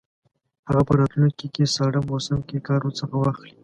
هغه په راتلونکي ساړه موسم کې کار ورڅخه واخلي.